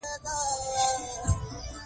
د ملګرو ملتونو اصلي ارکان بیان شي.